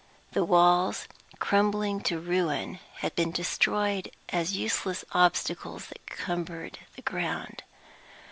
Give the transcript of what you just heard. The walls, crumbling to ruin, had been destroyed as useless obstacles that cumbered the ground.